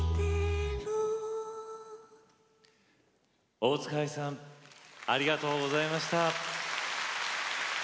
大塚愛さんありがとうございました。